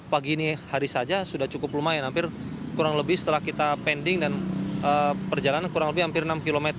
pagi ini hari saja sudah cukup lumayan kurang lebih setelah kita pending dan perjalanan kurang lebih hampir enam km